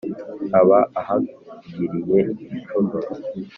aba ahagiriye igicumuro.